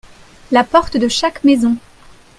La porte de chaque maison.